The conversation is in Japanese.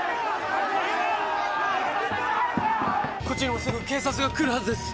こっちにもすぐ警察が来るはずです